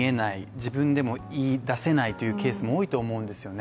自分でも言い出せないというケースも多いと思うんですよね。